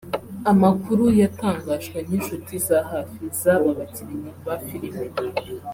Amakuru yatangajwe n’inshuti za hafi z’aba bakinnyi ba filime